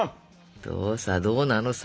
どうさどうなのさ。